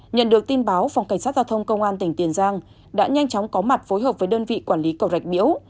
nhận được tin báo phòng cảnh sát giao thông công an tỉnh tiền giang đã nhanh chóng có mặt phối hợp với đơn vị quản lý cầu rạch biễu